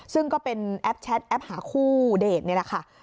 ซึ่งก็เป็นแอปแชทแอปหาคู่เดทนี่แหละค่ะ